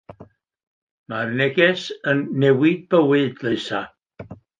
Mae'r neges yn newid bywyd Leusa.